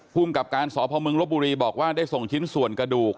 ภูมิกับการสพมลบบุรีบอกว่าได้ส่งชิ้นส่วนกระดูก